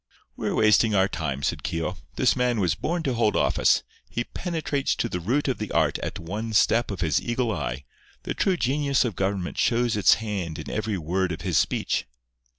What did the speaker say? "We're wasting our time," said Keogh. "This man was born to hold office. He penetrates to the root of the art at one step of his eagle eye. The true genius of government shows its hand in every word of his speech."